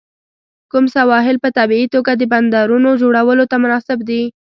کوم سواحل په طبیعي توګه د بندرونو جوړولو ته مناسب دي؟